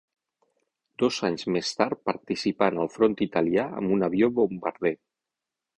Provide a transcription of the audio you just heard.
Dos anys més tard participà en el front italià amb un avió bombarder.